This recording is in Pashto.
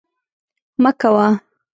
مه کوه